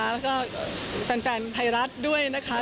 แล้วก็แฟนไทยรัฐด้วยนะคะ